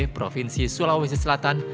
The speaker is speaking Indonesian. provinsi sulawesi selatan